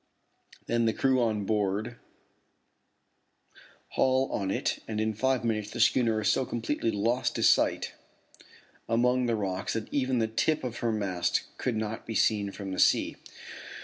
Then the crew on board haul on it and in five minutes the schooner is so completely lost to sight among the rocks that even the tip of her mast could not be seen from the sea.